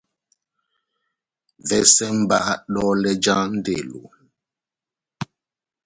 Vɛsɛ mba dɔlɛ já ndelo.